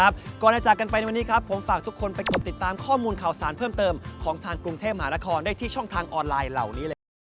โปรดติดตามตอนต่อไป